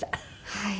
はい。